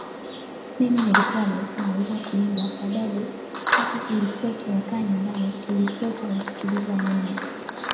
mimi Nilikuwa nahisi naweza kuimba Sababu hata tulikuwa tunakaa nyumbani tulikuwa tunamsikiliza mama